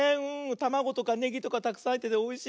たまごとかネギとかたくさんはいってておいしいね。